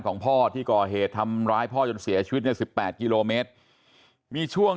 ของพ่อที่ก่อเหตุทำร้ายพ่อจนเสียชีวิตใน๑๘กิโลเมตรมีช่วง